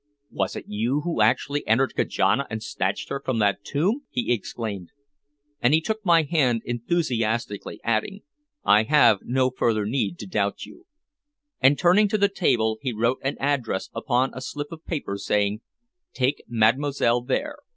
"Was it you who actually entered Kajana and snatched her from that tomb!" he exclaimed, and he took my hand enthusiastically, adding "I have no further need to doubt you." And turning to the table he wrote an address upon a slip of paper, saying, "Take Mademoiselle there.